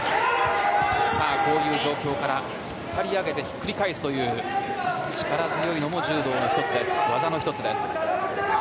こういう状況から引っ張り上げてひっくり返すという力強いものも柔道の技の１つです。